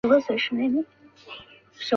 通称步兵学校。